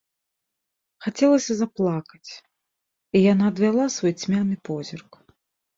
Хацелася заплакаць, і яна адвяла свой цьмяны позірк.